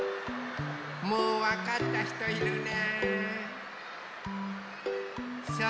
・もうわかったひといるね。